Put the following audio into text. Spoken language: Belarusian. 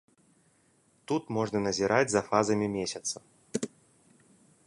Тут можна назіраць за фазамі месяца.